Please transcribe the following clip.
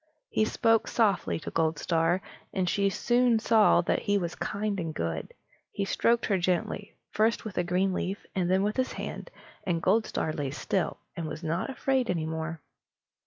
He spoke softly to Goldstar, and she soon saw that he was kind and good. He stroked her gently, first with a green leaf, then with his hand, and Goldstar lay still, and was not afraid any more.